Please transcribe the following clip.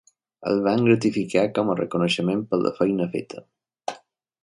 El van gratificar com a reconeixement per la feina feta.